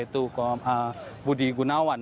itu budi gunawan